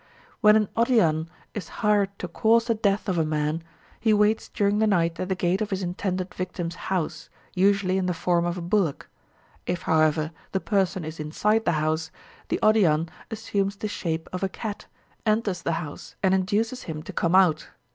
When an Odiyan is hired to cause the death of a man, he waits during the night at the gate of his intended victim's house, usually in the form of a bullock. If, however, the person is inside the house, the Odiyan assumes the shape of a cat, enters the house, and induces him to come out.